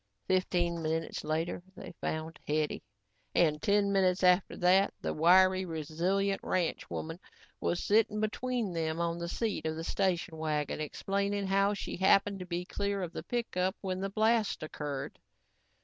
Fifteen minutes later they found Hetty and ten minutes after that, the wiry, resilient ranchwoman was sitting between them on the seat of the station wagon, explaining how she happened to be clear of the pickup when the blast occurred.